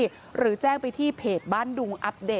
เจ้าแม่น้ำเจ้าแม่น้ำ